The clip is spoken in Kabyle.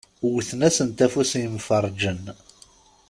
Wwten-asent afus yemferrǧen.